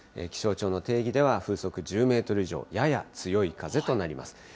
気象庁の定義では風速１０メートル以上、やや強い風となります。